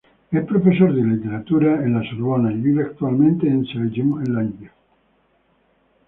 Es profesor de literatura en la Sorbona y vive actualmente en Saint-Germain-en-Laye.